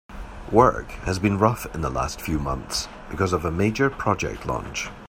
Work has been rough in the last few months because of a major project launch.